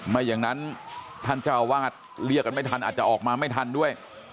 ไม่อย่างนั้นท่านเจ้าวาดเรียกกันไม่ทันอาจจะออกมาไม่ทันด้วย